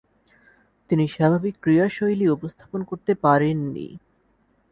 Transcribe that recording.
তিনি স্বাভাবিক ক্রীড়াশৈলী উপস্থাপন করতে পারেননি।